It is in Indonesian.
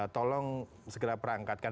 tolong segera perangkatkan